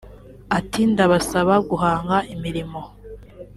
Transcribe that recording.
Ati” Ndabasaba guhanga imirimo